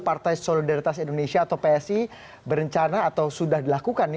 partai solidaritas indonesia atau psi berencana atau sudah dilakukan